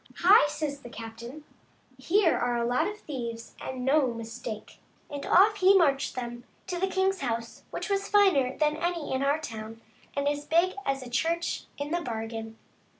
" Hi !" says the captain, " here are a lot of thieves, and no mistake !" and off he marched them to the king's house, which was finer than any in our town, and as big as a church into the bargain.